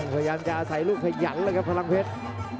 พยายามจะอาศัยลูกขยันเลยครับพลังเพชร